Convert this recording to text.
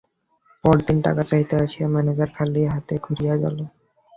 পরদিন টাকা চাহিতে আসিয়া ম্যানেজার খালি হাতে ঘুরিয়া গেল।